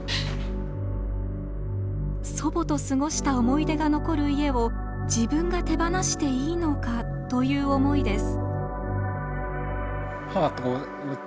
祖母と過ごした思い出が残る家を自分が手放していいのかという思いです。